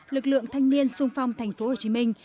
lực lượng thanh niên sung phong thành phố hồ chí minh